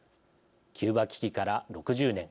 キューバ危機から６０年。